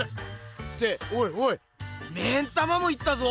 っておいおい目ん玉もいったぞ！